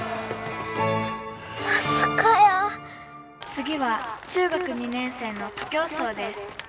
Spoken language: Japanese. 「次は中学２年生の徒競走です」。